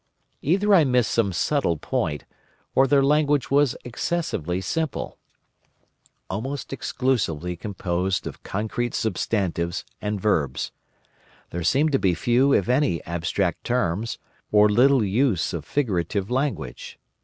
Either I missed some subtle point or their language was excessively simple—almost exclusively composed of concrete substantives and verbs. There seemed to be few, if any, abstract terms, or little use of figurative language.